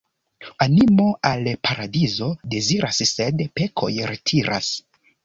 Animo al paradizo deziras, sed pekoj retiras.